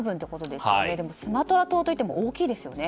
でもスマトラ島といっても大きいですよね。